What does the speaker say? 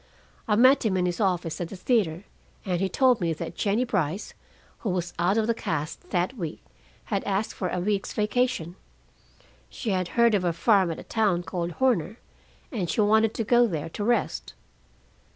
I met him in his office at the theater, and he told me that Jennie Brice, who was out of the cast that week, had asked for a week's vacation. She had heard of a farm at a town called Horner, and she wanted to go there to rest.